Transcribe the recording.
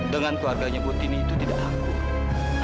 dengan keluarganya butini itu tidak takut